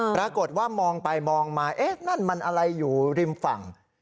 ปรากฏว่ามองไปมองมาเอ๊ะนั่นมันอะไรอยู่ริมฝั่ง